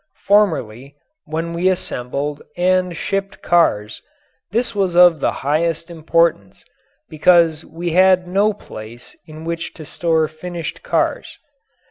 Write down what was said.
Formerly, when we assembled and shipped cars, this was of the highest importance because we had no place in which to store finished cars.